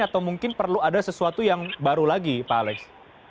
atau mungkin perlu ada sesuatu yang baru lagi pak alex